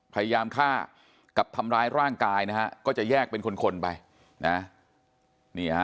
พยายามฆ่ากับทำร้ายร่างกายนะฮะก็จะแยกเป็นคนไปนะ